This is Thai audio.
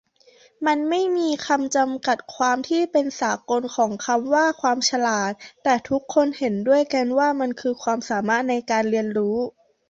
มันไม่มีคำจัดกัดความที่เป็นสากลของคำว่า ความฉลาด แต่ทุกคนเห็นด้วยกันว่ามันคือความสามารถในการเรียนรู้